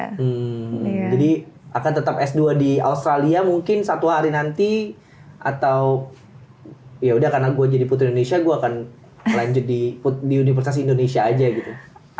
hmm jadi akan tetap s dua di australia mungkin satu hari nanti atau yaudah karena gue jadi putri indonesia gue akan lanjut di universitas indonesia aja gitu